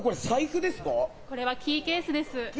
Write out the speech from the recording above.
これはキーケースです。